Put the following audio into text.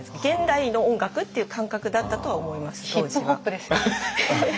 現代の音楽っていう感覚だったとは思います。